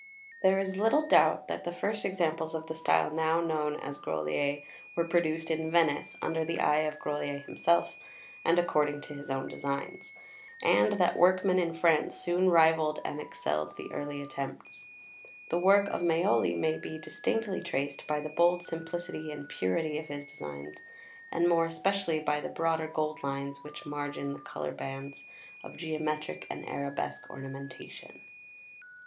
] There is little doubt that the first examples of the style now known as "Grolier" were produced in Venice, under the eye of Grolier himself, and according to his own designs; and that workmen in France, soon rivalled and excelled the early attempts. The work of Maioli may be distinctly traced by the bold simplicity and purity of his designs; and more especially by the broader gold lines which margin the coloured bands of geometric and arabesque ornamentation.